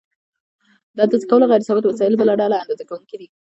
د اندازه کولو غیر ثابت وسایل بله ډله اندازه کوونکي دي.